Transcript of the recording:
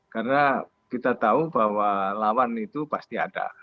karena kita tahu bahwa lawan itu pasti ada